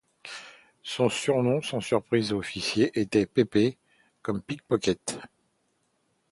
Son surnom, sans surprise et officiel, était « PéPé », comme PickPocket.